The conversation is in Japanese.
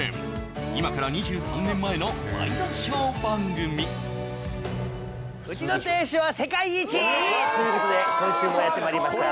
今から２３年前のワイドショー番組うちの亭主は世界一！ということで今週もやってまいりました